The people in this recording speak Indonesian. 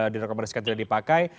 direkomendasikan tidak dipakai